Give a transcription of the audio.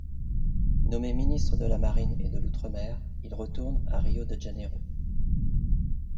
Nommé ministre de la Marine et de l'Outre-Mer, il retourne à Rio de Janeiro.